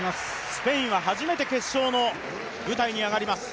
スペインは初めて決勝の舞台に上がります。